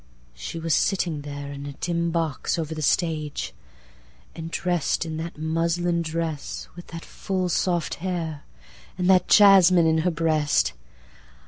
She was sitting thereIn a dim box, over the stage; and dress'dIn that muslin dress with that full soft hair, And that jasmine in her breast!